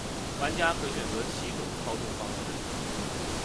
玩家可选择七种操纵方式。